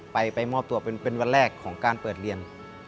ไปมอบตัวเป็นวันแรกของการเปิดเรียน